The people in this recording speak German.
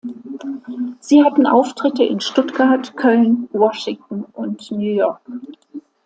Sie hatten Auftritte in Stuttgart, Köln, Washington und New York.